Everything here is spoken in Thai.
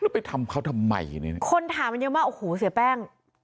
แล้วไปทำเขาทำไมคนถามมันยังว่าโอ้โหเสียแป้ง